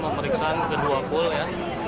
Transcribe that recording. pemeriksaan kedua pool ya